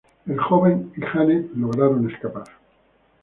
El joven y Janet logran escapar.